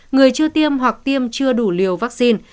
người chưa tiêm hoặc tiêm chưa đủ liều vaccine